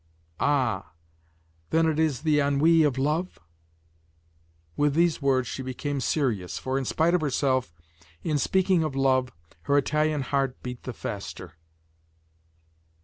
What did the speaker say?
"Ah! then it is the ennui of love?" With these words she became serious, for in spite of herself, in speaking of love, her Italian heart beat the faster.